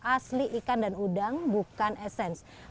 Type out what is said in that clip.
asli ikan dan udang bukan esensi